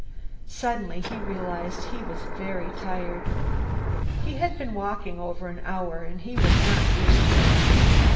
Suddenly, he realized he was very tired. He had been walking over an hour, and he was not used to it.